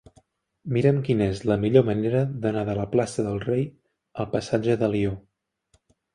Mira'm quina és la millor manera d'anar de la plaça del Rei al passatge d'Alió.